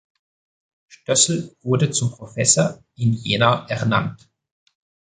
Stössel wurde zum Professor in Jena ernannt.